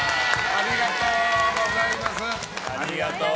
ありがとうございます。